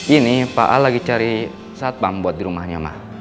ini pak al lagi cari saat pam buat dirumahnya ma